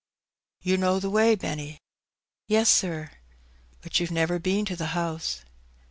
■» '•You know the way, Benny?" ■"•" "Yes, sir." " But you've never been to the house